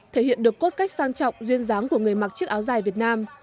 thể hiện được cốt cách sang trọng duyên dáng của người mặc chiếc áo dài việt nam